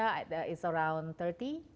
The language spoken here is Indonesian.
seluruh indonesia it's around tiga puluh